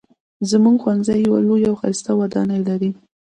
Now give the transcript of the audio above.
زموږ ښوونځی یوه لویه او ښایسته ودانۍ لري